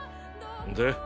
で？